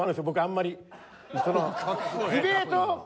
僕あんまり。